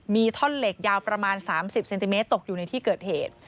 มีท่อนเหล็กยาวประมาณ๓๐เซนติเมตรตกอยู่ในที่เกิดเหตุ